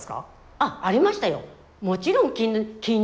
あっありましたよ！